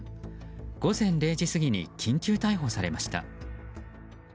午前０時過ぎに緊急逮捕されました。